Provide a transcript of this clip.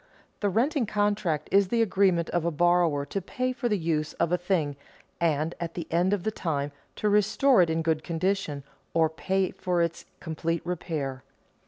_The renting contract is the agreement of a borrower to pay for the use of a thing and, at the end of the time, to restore it in good condition or pay for its complete repair.